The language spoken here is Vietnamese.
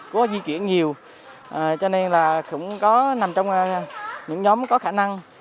có di chuyển nhiều cho nên là cũng có nằm trong những nhóm có khả năng